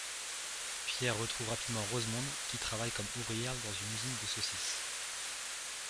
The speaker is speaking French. Pierre retrouve rapidement Rosemonde, qui travaille comme ouvrière dans une usine de saucisses.